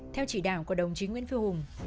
theo chỉ đạo của đồng chí nguyễn phương hùng